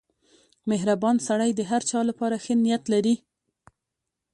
• مهربان سړی د هر چا لپاره ښه نیت لري.